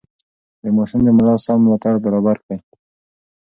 د ماشوم د ملا سم ملاتړ برابر کړئ.